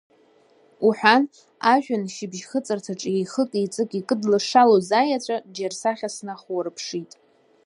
Уҳәан, ажәҩан шьыбжь-хыҵырҭаҿы еихык-еиҵык икыдлашалоз аеҵәа џьарсахьа снахәаурԥшит.